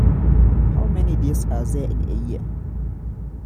How many days are there in a year?